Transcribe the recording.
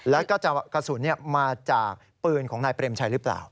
แล้วก็จะกระสุนมาจากปืนของนายเปรมชัยหรือเปล่า